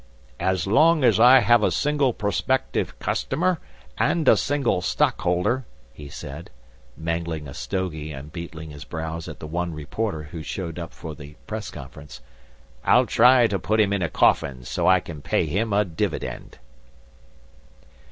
"As long as I have a single prospective customer, and a single Stockholder," he said, mangling a stogie and beetling his brows at the one reporter who'd showed up for the press conference, "I'll try to put him in a coffin so I can pay him a dividend."